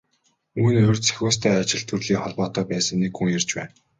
Үүний урьд Сахиустай ажил төрлийн холбоотой байсан нэг хүн ярьж байна.